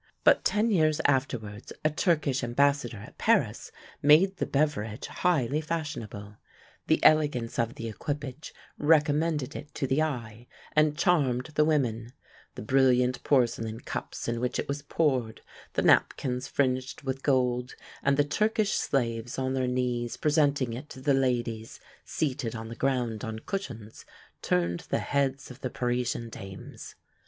But ten years afterwards a Turkish ambassador at Paris made the beverage highly fashionable. The elegance of the equipage recommended it to the eye, and charmed the women: the brilliant porcelain cups in which it was poured; the napkins fringed with gold, and the Turkish slaves on their knees presenting it to the ladies, seated on the ground on cushions, turned the heads of the Parisian dames.